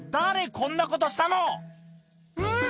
こんなことしたの！